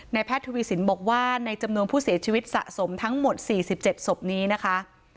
แพทย์ทวีสินบอกว่าในจำนวนผู้เสียชีวิตสะสมทั้งหมด๔๗ศพนี้นะคะ